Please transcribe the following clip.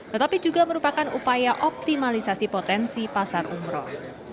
tetapi juga merupakan upaya optimalisasi potensi pasar umroh